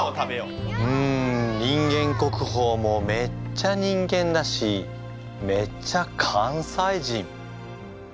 うん人間国宝もめっちゃ人間だしめっちゃ関西人。